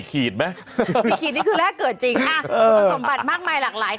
ขีดนี่คือแรกเกิดจริงสมบัติมากมายหลากหลาย